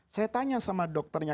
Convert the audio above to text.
saya tanya sama dokternya